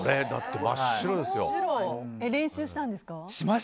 練習したんですか？